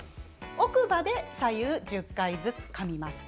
奥歯で左右１０回ずつ、かみます。